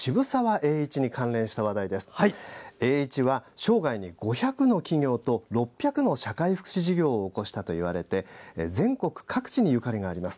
栄一は生涯に５００の企業と６００の社会福祉事業を興したといわれて全国各地にゆかりがあります。